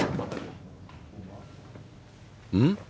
うん？